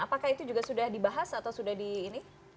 apakah itu juga sudah dibahas atau sudah di ini